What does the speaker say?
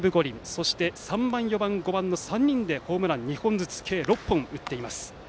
そして３番、４番、５番の３人でホームラン５本計６本打っています。